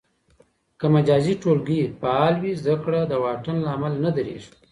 که مجازي ټولګي فعال وي، زده کړه د واټن له امله نه درېږي.